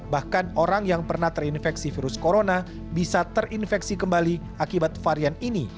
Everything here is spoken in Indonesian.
bahkan orang yang pernah terinfeksi virus corona bisa terinfeksi kembali akibat varian ini